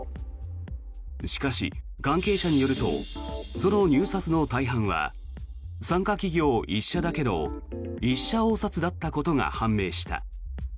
しかし、関係者によるとその入札の大半は参加企業１社だけの１社応札だったことが判明した。